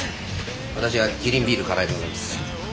私はキリンビール金井でございます。